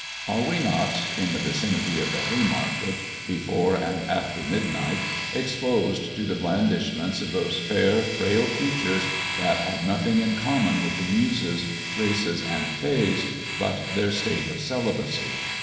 Are we not, in the vicinity of the Haymarket, before and after midnight, exposed to the blandishments of those fair, frail creatures, that have nothing in common with the Muses, Graces, and Fays, but their state of celibacy?